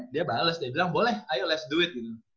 dia bales dia bilang boleh ayo let s do it